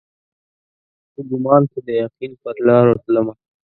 په ګمان کښي د یقین پرلارو تلمه